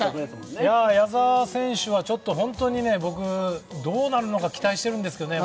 矢澤選手はちょっと本当に僕、どうなるのか期待してるんですけどね。